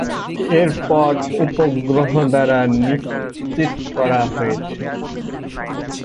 এর পর থেকে উপগ্রহ দ্বারা নিশ্চিত করা হয়েছে।